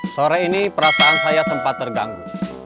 sore ini perasaan saya sempat terganggu